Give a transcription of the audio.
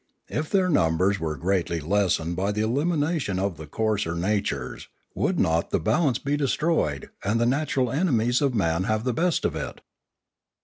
If their numbers were greatly lessened by the elimination of the coarser natures, would not the balance be destroyed, and the natural enemies of man have the best of it